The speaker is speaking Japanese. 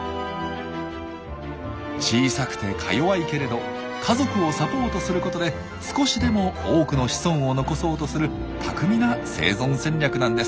小さくてかよわいけれど家族をサポートすることで少しでも多くの子孫を残そうとする巧みな生存戦略なんです。